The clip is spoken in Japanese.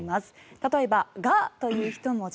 例えば「が」という１文字。